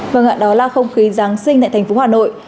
vâng ạ đó là không khí giáng sinh tại thành phố hà nội